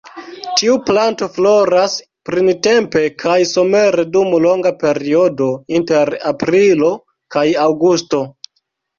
Tiu planto floras printempe kaj somere dum longa periodo inter aprilo kaj aŭgusto.